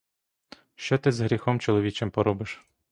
Що ти з гріхом чоловічим поробиш?